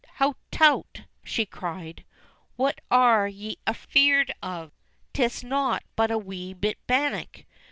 "Hout tout!" she cried. *'What are ye a feared of? 'Tis naught but a wee bit bannock.